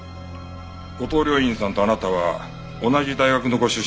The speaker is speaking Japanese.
後藤了胤さんとあなたは同じ大学のご出身ですよね。